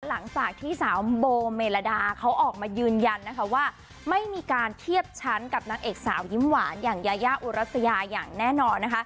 หลังจากที่สาวโบเมลดาเขาออกมายืนยันนะคะว่าไม่มีการเทียบชั้นกับนางเอกสาวยิ้มหวานอย่างยายาอุรัสยาอย่างแน่นอนนะคะ